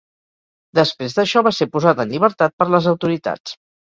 Després d'això va ser posat en llibertat per les autoritats.